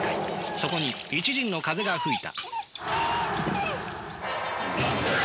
そこに一陣の風が吹いた。